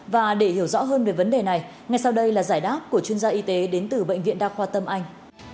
và để hiểu rõ hơn về vấn đề này ngay sau đây là giải đáp của chuyên gia y tế đến từ bệnh viện đa khoa tâm anh